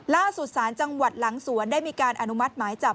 ล่าสุดศาลจังหวัดหลังสวนได้มีการอนุมัติหมายจับ